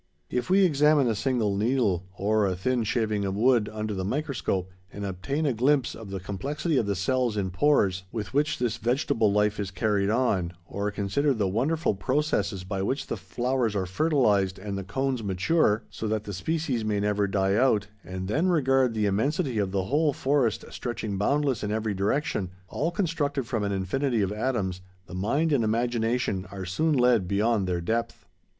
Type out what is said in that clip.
If we examine a single needle, or a thin shaving of wood, under the microscope, and obtain a glimpse of the complexity of the cells and pores with which this vegetable life is carried on; or consider the wonderful processes by which the flowers are fertilized, and the cones mature, so that the species may never die out; and then regard the immensity of the whole forest stretching boundless in every direction, all constructed from an infinity of atoms, the mind and imagination are soon led beyond their depth.